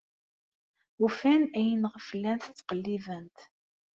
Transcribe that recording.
Ufan ayen iɣef llant ttqellibent.